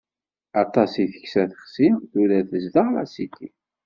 Aṭas i teksa tixsi, tura tezdeɣ lasiti.